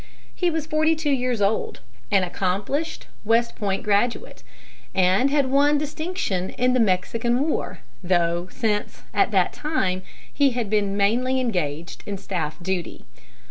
He was forty two years old, an accomplished West Point graduate, and had won distinction in the Mexican War, though since that time he had been mainly engaged in staff duty.